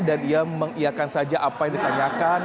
dan ia mengiakan saja apa yang ditanyakan